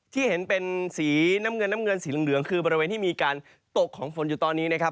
ที่เห็นเป็นสีน้ำเงินน้ำเงินสีเหลืองคือบริเวณที่มีการตกของฝนอยู่ตอนนี้นะครับ